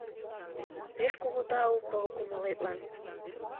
Пеш кугу тау поро кумылетлан!